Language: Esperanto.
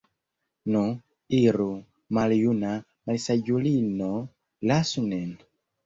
Nu, iru, maljuna malsaĝulino, lasu nin!